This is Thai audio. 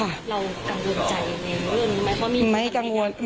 เรากังวลใจในเรื่องนี้ไหม